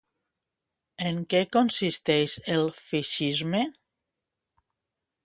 En què consisteix el fixisme?